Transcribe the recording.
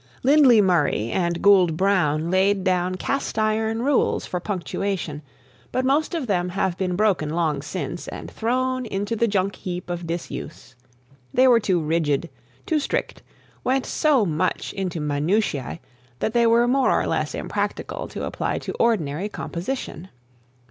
Lindley Murray and Goold Brown laid down cast iron rules for punctuation, but most of them have been broken long since and thrown into the junk heap of disuse. They were too rigid, too strict, went so much into minutiae, that they were more or less impractical to apply to ordinary composition.